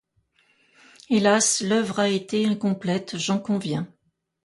Hélas, l'oeuvre a été incomplète, j'en conviens.